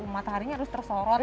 mataharinya harus tersorot